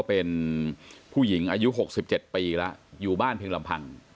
เป็นผู้หญิงอายุ๖๗ปีแล้วอยู่บ้านเพียงลำพัง